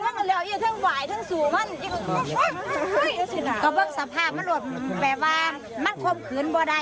สอยกดึงกดมน้ำขาดดูน้ำหูด